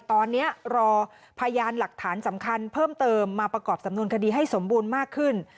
ตอนนี้รอพยานหลักฐานสำคัญเพิ่มเติมมาประกอบสำนวนคดีให้สมบูรณ์มากขึ้น